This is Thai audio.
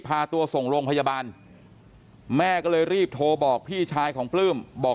พาตัวส่งโรงพยาบาลแม่ก็เลยรีบโทรบอกพี่ชายของปลื้มบอก